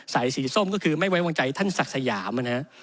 สีส้มก็คือไม่ไว้วางใจท่านศักดิ์สยามนะครับ